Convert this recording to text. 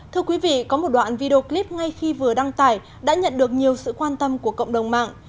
thưa quý vị có một đoạn video clip ngay khi vừa đăng tải đã nhận được nhiều sự quan tâm của cộng đồng mạng